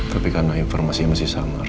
tapi karena informasinya masih sama